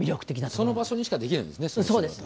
その場所にしかできないんですね